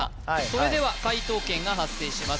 それでは解答権が発生します